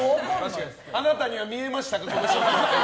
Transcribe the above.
あなたには見えましたか？